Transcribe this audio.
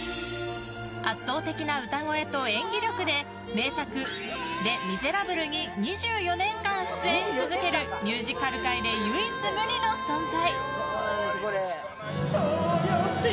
圧倒的な歌声と演技力で名作「レ・ミゼラブル」に２４年間出演し続けるミュージカル界で唯一無二の存在。